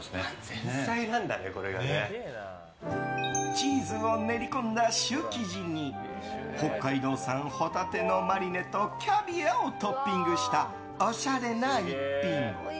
チーズを練り込んだシュー生地に北海道産ホタテのマリネとキャビアをトッピングしたおしゃれな一品。